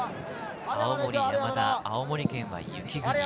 青森山田、青森県は雪国。